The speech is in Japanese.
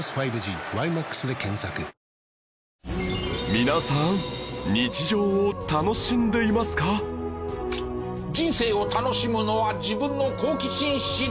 皆さん人生を楽しむのは自分の好奇心次第。